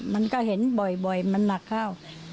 มันก็เห็นบ่อยมันหนักเข้า